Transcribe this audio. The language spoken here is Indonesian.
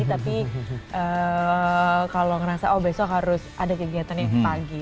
tapi kalau ngerasa oh besok harus ada kegiatan yang pagi